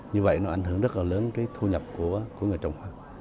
như vậy nó ảnh hưởng rất là lớn cái thu nhập của người trồng hoa